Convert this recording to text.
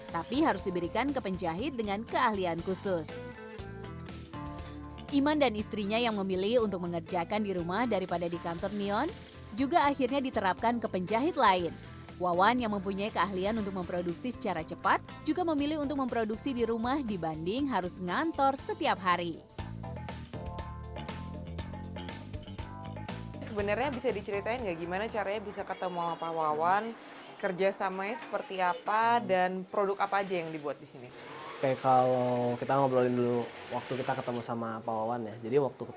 tapi ya kita balikin istilahnya modal itu ya puterin lagi puterin lagi gitu